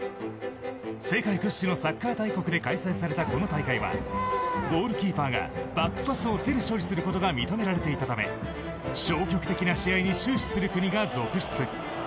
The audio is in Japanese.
世界屈指のサッカー大国で開催されたこの大会はゴールキーパーがバックパスを手で処理することが認められていたため消極的な試合に終始する国が続出。